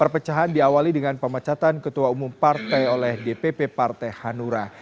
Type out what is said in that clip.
perpecahan diawali dengan pemecatan ketua umum partai oleh dpp partai hanura